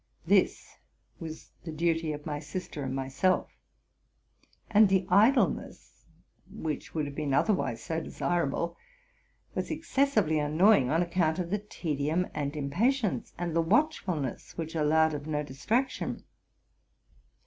This was the duty of my sister and myself; and the idleness, which would have been otherwise so desirable, was excessively annoying on account of the tedium and impatience, and the watchfulness which allowed of no distraction.